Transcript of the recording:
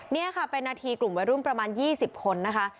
นี่ค่ะเป็นนาทีกลุ่มวัยรุ่นประมาณ๒๐คนนะคะ